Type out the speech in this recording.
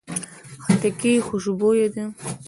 خټکی خوشبویه ده.